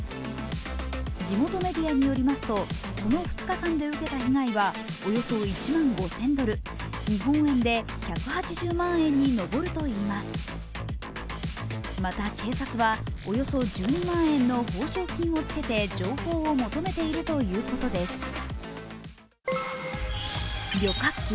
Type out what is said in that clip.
地元メディアによりますとこの２日間で受けた被害はおよそ１万５０００ドル日本円で１８０万円に上るといいますまた、警察はおよそ１２万円の報奨金をつけて情報を求めているということです。